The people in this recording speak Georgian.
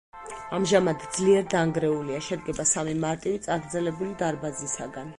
ამჟამად ძლიერ დანგრეულია, შედგება სამი მარტივი წაგრძელებული დარბაზისაგან.